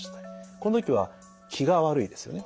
この時は気が悪いですよね。